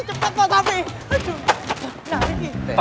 cepet kok sampe